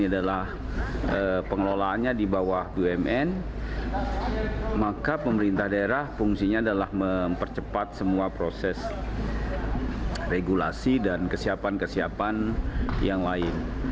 ini adalah pengelolaannya di bawah bumn maka pemerintah daerah fungsinya adalah mempercepat semua proses regulasi dan kesiapan kesiapan yang lain